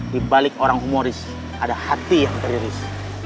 di balik orang humoris ada hati yang teriris